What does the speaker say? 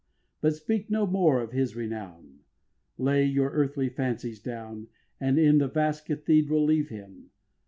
But speak no more of his renown, Lay your earthly fancies down, And in the vast cathedral leave him.